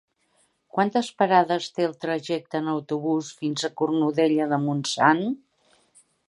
Quantes parades té el trajecte en autobús fins a Cornudella de Montsant?